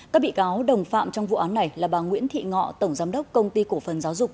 các bị cáo đồng phạm trong vụ án này là bà nguyễn thị ngọ tổng giám đốc công ty cổ phần giáo dục